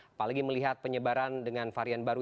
apalagi melihat penyebaran dengan varian baru